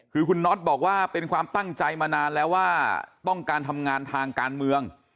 คือคุณน็อตบอกว่าเป็นความตั้งใจมานานแล้วว่าต้องการทำงานทางการเมือง